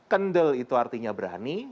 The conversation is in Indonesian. kendel itu artinya berani